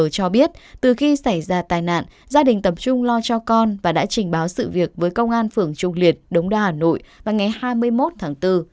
trường cho biết từ khi xảy ra tai nạn gia đình tập trung lo cho con và đã trình báo sự việc với công an phường trung liệt đống đa hà nội vào ngày hai mươi một tháng bốn